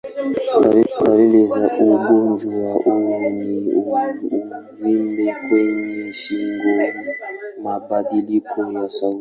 Dalili za ugonjwa huu ni uvimbe kwenye shingo, mabadiliko ya sauti.